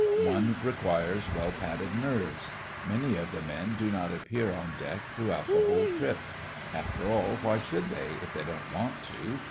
One requires well padded nerves. Many of the men do not appear on deck throughout the whole trip. After all, why should they if they don't want to?